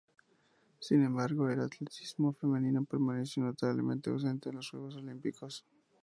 Sin embargo, el atletismo femenino permaneció notablemente ausente de los Juegos Olímpicos.